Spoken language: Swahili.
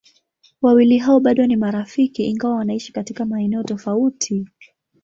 Wawili hao bado ni marafiki ingawa wanaishi katika maeneo tofauti.